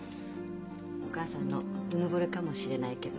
お母さんのうぬぼれかもしれないけどね。